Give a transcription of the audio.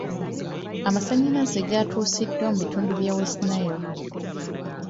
Amasannyalaze gatuusiddwa mu bitundu by'e West Nile.